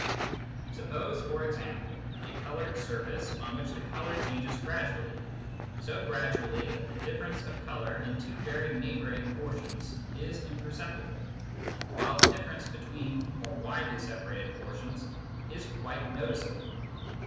Suppose, for example, a coloured surface on which the colour changes gradually — so gradually that the difference of colour in^^ two very neighbouring portions is imperceptible, while the difference between more widely separated portions is quite noticeable.